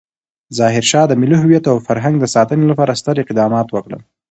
ظاهرشاه د ملي هویت او فرهنګ د ساتنې لپاره ستر اقدامات وکړل.